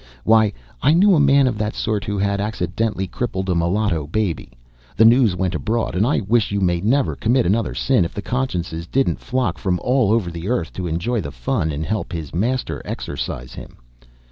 Why, I knew a man of that sort who had accidentally crippled a mulatto baby; the news went abroad, and I wish you may never commit another sin if the consciences didn't flock from all over the earth to enjoy the fun and help his master exorcise him.